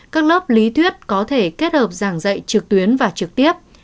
các lớp lý thuyết có thể kết hợp giảng dạy trực tuyến và trực tiếp